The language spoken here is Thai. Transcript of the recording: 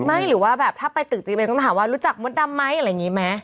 หรือว่าแบบถ้าไปตึกจริงเลยต้องถามว่ารู้จักมดดำไหมอะไรอย่างนี้ไหม